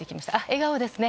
笑顔ですね。